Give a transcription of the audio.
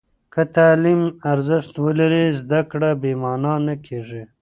که تعلیم ارزښت ولري، زده کړه بې معنا نه کېږي.